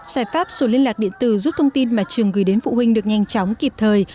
giải pháp sổ liên lạc điện tử giúp thông tin mà trường gửi đến phụ huynh được nhanh chóng kịp thời